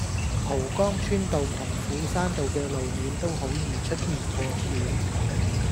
蒲崗村道同斧山道嘅路面都好易出現破損